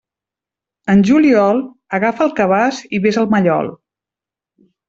En juliol, agafa el cabàs i vés al mallol.